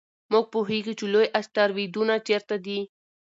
موږ پوهېږو چې لوی اسټروېډونه چیرته دي.